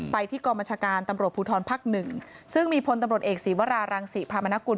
ไปที่กองบัญชาการตำรวจภูทรภักดิ์หนึ่งซึ่งมีพลตำรวจเอกศีวรารังศรีพามนกุล